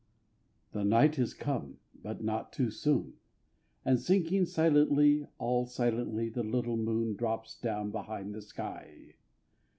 The night is come, but not too soon; And sinking silently, All silently, the little moon Drops down behind the sky.